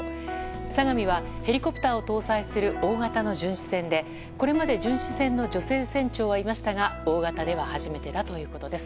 「さがみ」はヘリコプターを搭載する大型の巡視船で、これまで巡視船の女性船長はいましたが大型では初めてだということです。